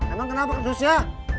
emang kenapa kerdusnya